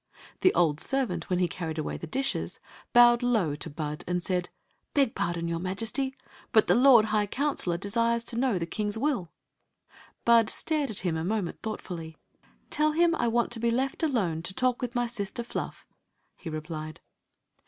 The old servant, when he carried away the dishes, bowed low to Bud and said: "Beg pardon, your Majesty! But the lord high counselor desires to know the kings will. Bud stared at him a moment thoughtfully. "Tell him I want to be left alone to talk with my sister Fluff," he replied.